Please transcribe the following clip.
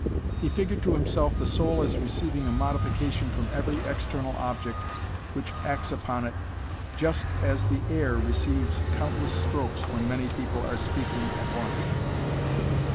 He figured to himself the soul as receiving a modification from every external object which acts upon it just as the air receives countless strokes when many people are speaking at once.